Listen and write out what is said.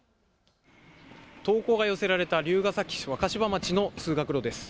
投稿が寄せられた龍ケ崎市若柴町の通学路です。